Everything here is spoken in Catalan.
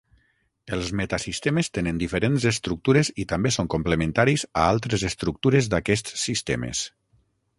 Els metasistemes tenen diferents estructures i també són complementaris a altres estructures d'aquests sistemes.